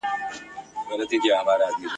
تاریخ د انسانانو تجربې ساتي.